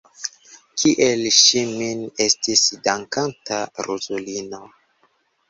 Kiel ŝi min estis dankanta, ruzulino!